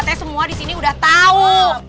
teh semua disini udah tahu